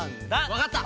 わかった！